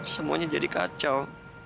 semuanya jadi kacau